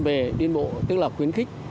về đi bộ tức là khuyến khích